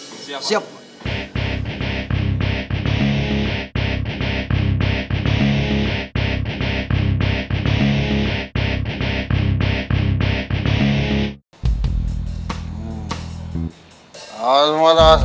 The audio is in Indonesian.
dan jangan biarkan boy pergi dan keluar dari sini